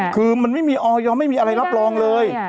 คือมันไม่มีอะไรรับรองเลย